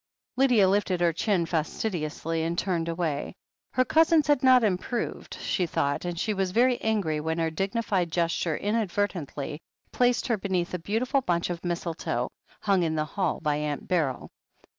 Lydia lifted her chin fastidiously and turned away. Her cousins had not improved, she thought, and she was very angry when her dignified gesture inadvert ently placed her beneath a beautiful bunch of mistletoe, hung in the hall by Aunt Beryl.